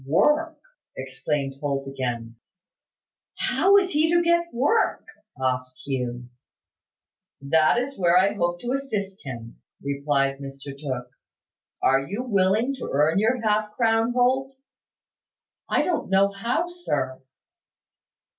"Work!" exclaimed Holt again. "How is he to get work?" asked Hugh. "That is where I hope to assist him," replied Mr Tooke. "Are you willing to earn your half crown, Holt?" "I don't know how, sir."